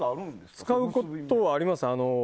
使うことあります。